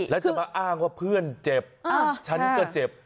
แล้วจะมาอ้างว่าเพื่อนเจ็บฉันก็เจ็บ